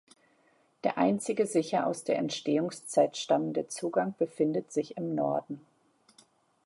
Der einzige sicher aus der Entstehungszeit stammende Zugang befindet sich im Norden.